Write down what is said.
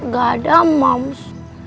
gak ada moms